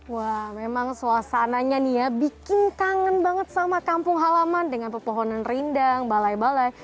wah memang suasananya nih ya bikin kangen banget sama kampung halaman dengan pepohonan rindang balai balai